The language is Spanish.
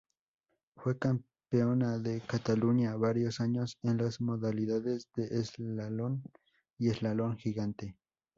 Fue campeona de Cataluña varios años en las modalidades de eslalon y eslalon gigante.